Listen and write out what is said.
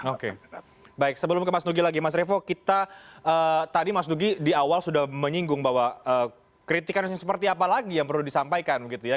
oke baik sebelum ke mas nugi lagi mas revo kita tadi mas nugi di awal sudah menyinggung bahwa kritikannya seperti apa lagi yang perlu disampaikan gitu ya